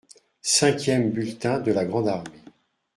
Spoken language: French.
Cinquième bulletin de la grande armée.